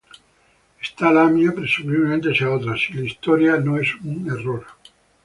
Esta Lamia presumiblemente sea otra, si la historia no es un error.